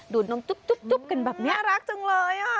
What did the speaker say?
ดูดนมจุ๊บจุ๊บจุ๊บจุ๊บกันแบบเนี้ยน่ารักจังเลยอ่ะ